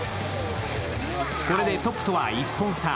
これでトップとは１本差。